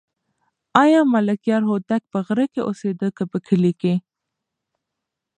آیا ملکیار هوتک په غره کې اوسېده که په کلي کې؟